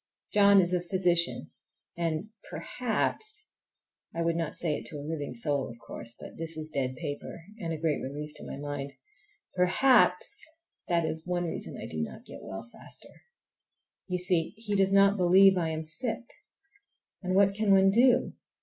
John is a physician, and perhaps—(I would not say it to a living soul, of course, but this is dead paper and a great relief to my mind)—perhaps that is one reason I do not get well faster. You see, he does not believe I am sick! And what can one do?